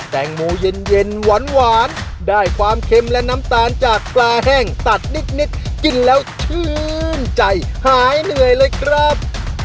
แตงโมเย็นหวานได้ความเค็มและน้ำตาลจากปลาแห้งตัดนิดกินแล้วชื่นใจหายเหนื่อยเลยครับ